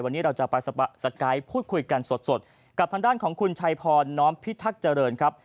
วันนี้เราจะไปสกายพูดคุยกันสดกับทางด้านของคุณชัยพรน้อมพิทักษ์เจริญครับ